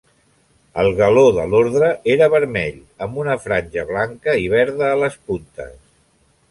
El galó de l'orde era vermell, amb una franja blanca i verda a les puntes.